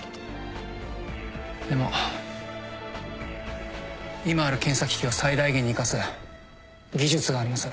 でも今ある検査機器を最大限に生かす技術があります。